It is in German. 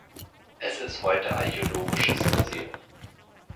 Es ist heute Archäologisches Museum.